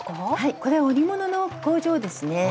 これ織物の工場ですね。